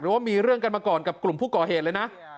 ว่ามีเรื่องกันมาก่อนกับกลุ่มผู้ก่อเหตุเลยนะ